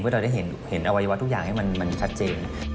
เพื่อเราได้เห็นอวัยวะทุกอย่างให้มันชัดเจน